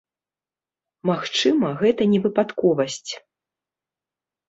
Магчыма, гэта не выпадковасць.